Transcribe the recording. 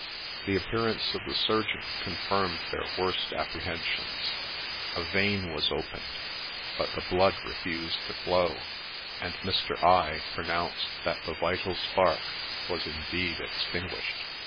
' The appearance of the surgeon confirmed their worst appre hensions ; a vein was opened, but the blood refused to flow, and Mr. I pronounced that the vital spark was indeed extinguished.